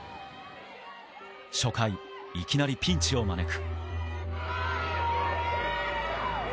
初回、いきなりピンチを招く。